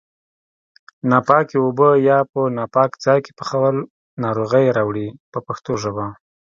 ناپاکې اوبه یا په ناپاک ځای کې پخول ناروغۍ راوړي په پښتو ژبه.